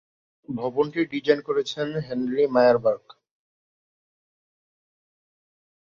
ভবনটির ডিজাইন করেছেন Henry Myerberg.